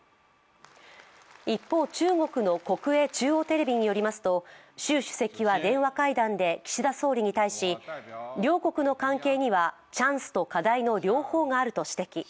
一方、中国の国営中央テレビによりますと、習主席は電話会談で岸田総理に対し両国の関係にはチャンスと課題の両方があると指摘。